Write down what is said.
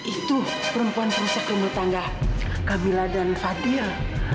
itu perempuan berusaha ke rumah tangga kamilah dan fadil